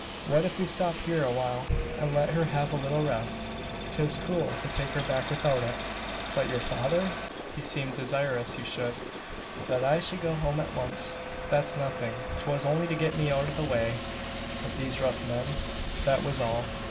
What if we stop here a while, and let her have a little rest? 'Tis cruel to take her back without it." "But your father? He seemed desirous you should " "That I should go home at once. That's nothing. 'Twas only to get me out of the way of these rough men that was all.